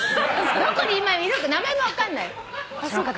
どこに今いるのか名前も分かんない。